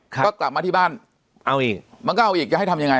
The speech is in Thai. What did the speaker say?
ก็กลับมาที่บ้านเอาอีกจะให้ทำยังไง